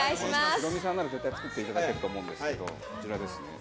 ヒロミさんなら絶対作っていただけると思うんですけど、こちらですね。